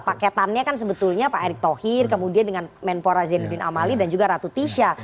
paketannya kan sebetulnya pak erick thohir kemudian dengan menpora zainuddin amali dan juga ratu tisha